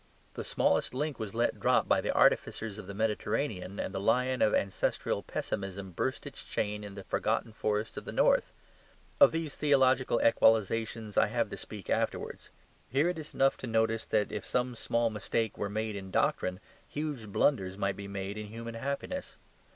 The smallest link was let drop by the artificers of the Mediterranean, and the lion of ancestral pessimism burst his chain in the forgotten forests of the north. Of these theological equalisations I have to speak afterwards. Here it is enough to notice that if some small mistake were made in doctrine, huge blunders might be made in human happiness.